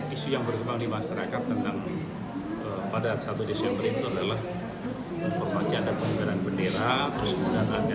isu yang berkembang di masyarakat pada satu desember itu adalah informasi ada pengubahan bendera